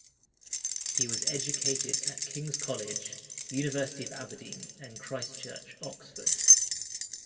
He was educated at King's College, University of Aberdeen and Christ Church, Oxford.